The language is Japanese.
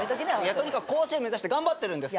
とにかく甲子園目指して頑張ってるんですから。